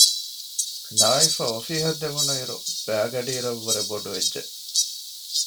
ނާއިފަށް އޮފީހަށް ދެވުނުއިރު ބައިގަޑިއިރަށް ވުރެ ބޮޑުވެއްޖެ